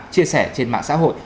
chia sẻ trên mạng xã hội